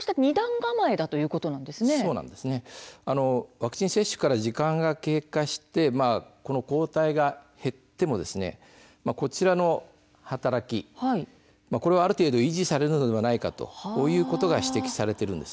ワクチン接種から時間が経過して抗体が減ってもこちらの働きがある程度維持されるのではないかということが指摘されているんです。